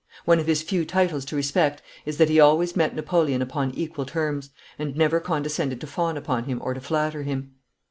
One of his few titles to respect is that he always met Napoleon upon equal terms, and never condescended to fawn upon him or to flatter him.